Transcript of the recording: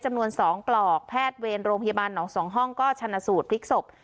จำนวน๒ปลอกแพทย์เวรโรงพยาบาลหนอง๒ห้องก็ชนะสูตรพลิกศพ